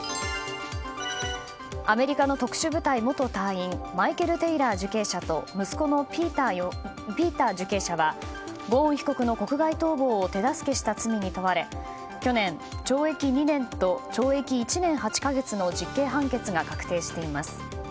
アメリカの特殊部隊元隊員マイケル・テイラー受刑者と息子のピーター受刑者はゴーン被告の国外逃亡を手助けした罪に問われ、去年懲役２年と懲役１年８か月の実刑判決が確定しています。